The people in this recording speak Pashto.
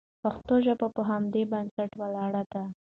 پښتو ژبه په همدې بنسټ ولاړه ده.